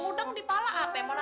anduk di sini pak